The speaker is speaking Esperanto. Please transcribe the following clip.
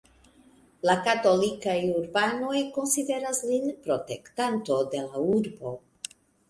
La katolikaj urbanoj konsideras lin protektanto de la urbo.